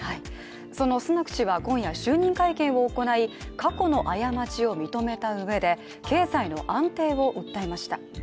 そのスナク氏は今夜、就任会見を行い過去の過ちを認めた上で経済の安定を訴えました。